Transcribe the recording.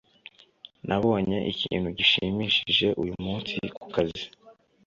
Nabonye ikintu gishimishije uyumunsi kukazi.